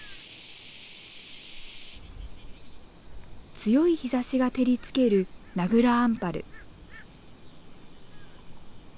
強い日ざしが照りつける名蔵アンパル。